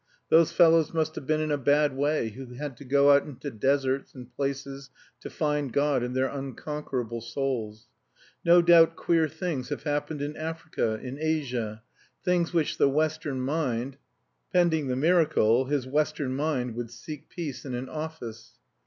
Those fellows must have been in a bad way who had to go out into deserts and places to find God and their unconquerable souls. No doubt queer things have happened in Africa, in Asia, things which the Western mind Pending the miracle, his Western mind would seek peace in an office.